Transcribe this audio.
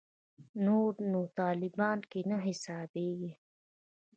نور نو طالبانو کې نه حسابېږي.